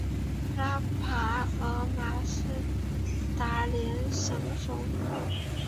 拉帕尔马是达连省首府。